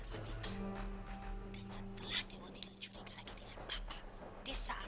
gatel pia itu mbak